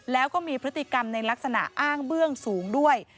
แล้วก็มีพฤติกรรมในลักษณะอ้างเบื้องสูงด้วย